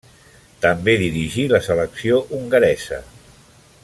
També dirigí la selecció hongaresa.